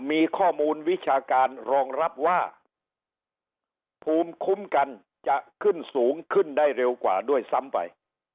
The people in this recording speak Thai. มีข้อมูลวิชาการรองรับว่าภูมิคุ้มกันจะขึ้นสูงขึ้นได้เร็วกว่าด้วยซ้ำไป